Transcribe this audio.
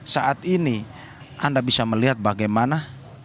saat ini anda bisa melihat bagaimana